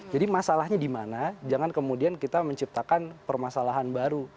jadi masalahnya di mana jangan kemudian kita menciptakan permasalahan baru